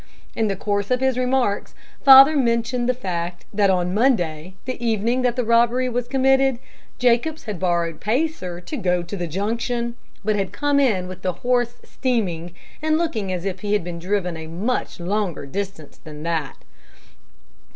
In the course of his remarks, father mentioned the fact that on Monday, the evening that the robbery was committed, Jacobs had borrowed Pacer to go to the Junction, but had come in with the horse steaming, and looking as if he had been driven a much longer distance than that.